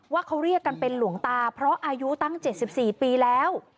ว่าเขาเรียกกันเป็นหลวงตาเพราะอายุตั้ง๗๔ปีแล้ว